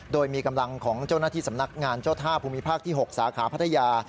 โดยมีกำลังของเจ้าหน้าที่สำนักงานเจ้าท่าภูมิภาคที่๖สาขาพัทยา